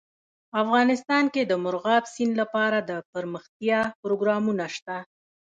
افغانستان کې د مورغاب سیند لپاره دپرمختیا پروګرامونه شته.